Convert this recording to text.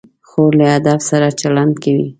خور له ادب سره چلند کوي.